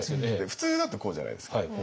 普通だとこうじゃないですか。